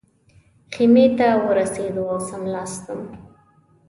خیمې ته ورسېدو او څملاستم.